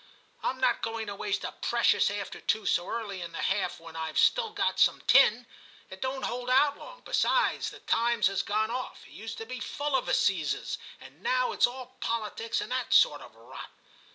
Tm not going to waste a precious after two so early in the half when IVe still got some tin ; it don't hold out long. Besides, the Times has gone off; it used to be full of assizes, and now it's all politics and that sort of rot.'